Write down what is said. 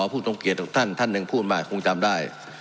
ผู้ทรงเกียจของท่านท่านหนึ่งพูดมาคงจำได้